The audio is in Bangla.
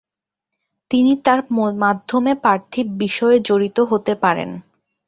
তিনি তাঁর মাধ্যমে পার্থিব বিষয়ে জড়িত হতে পারেন।